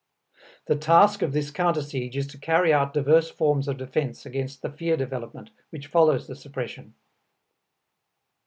The task of this counter siege is to carry out diverse forms of defense against the fear development which follows the suppression.